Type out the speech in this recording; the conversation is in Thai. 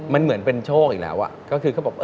มันเหมือนเป็นโชคอีกแล้วก็คือเขาบอก